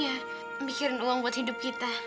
iya mikirin uang buat hidup kita